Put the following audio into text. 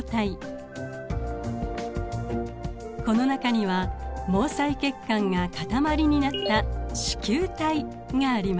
この中には毛細血管が塊になった糸球体があります。